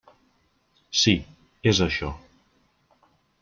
Sí, és això.